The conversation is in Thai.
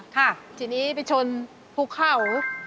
ทีนี้ไปชนผู้เข้า